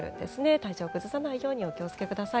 体調を崩さないようにお気をつけください。